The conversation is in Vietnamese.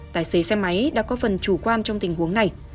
tài xế xe máy đã có phần chủ quan trong tình huống này